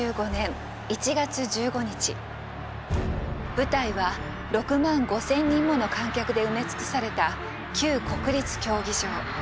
舞台は６万５，０００人もの観客で埋め尽くされた旧国立競技場。